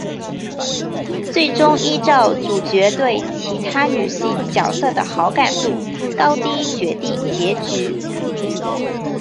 最终依照主角对其他女性角色的好感度高低决定结局。